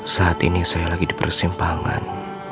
saat ini saya lagi di persimpangan